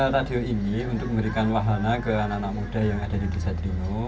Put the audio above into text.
radio ini untuk memberikan wahana ke anak anak muda yang ada di desa jeringu